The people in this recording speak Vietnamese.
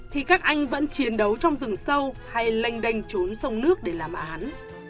thì các anh vẫn chiến đấu trong rừng sâu hay lênh đênh trốn sông nước để làm án